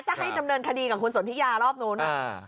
จะให้ดำเนินคดีกับคุณสนทิยารอบนู้น